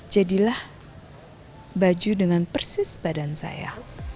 jadilah baju dengan persis badan saya